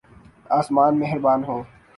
آسمان مہربان ہوں۔